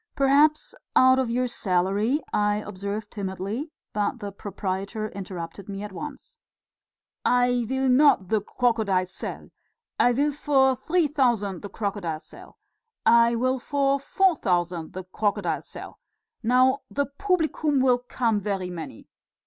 "Perhaps out of your salary...." I observed timidly, but the proprietor interrupted me at once. "I will not the crocodile sell; I will for three thousand the crocodile sell! I will for four thousand the crocodile sell! Now the publicum will come very many.